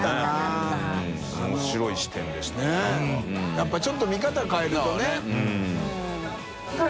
笋辰僂ちょっと見方変えるとね。